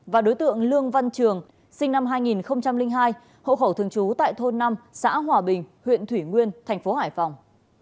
và đối tượng lương văn trường sinh năm hai nghìn hai hộ khẩu thường trú tại thôn năm xã hòa bình huyện thủy nguyên thành phố hải phòng